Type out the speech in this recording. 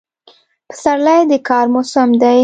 پسرلی د کار موسم دی.